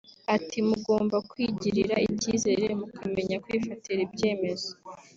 Ati “ Mugomba kwigirira icyizere mukamenya kwifatira ibyemezo